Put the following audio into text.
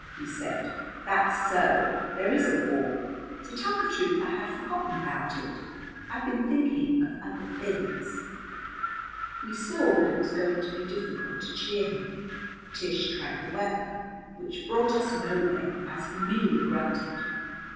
he said. "That's so, there is a war. To tell the truth, I had forgotten about it. I've been thinking of other things." We saw that it was going to be difficult to cheer him. Tish tried the weather, which brought us nowhere, as he merely grunted.